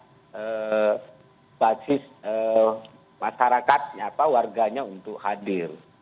jadi saya kira itu adalah basis masyarakatnya apa warganya untuk hadir